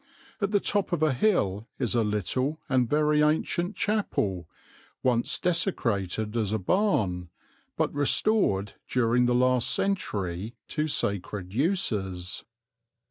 At the top of a hill is a little and very ancient chapel, once desecrated as a barn, but restored during the last century to sacred uses.